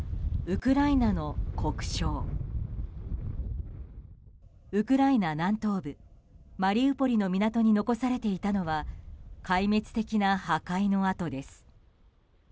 ウクライナ南東部マリウポリの港に残されていたのは壊滅的な破壊の跡です。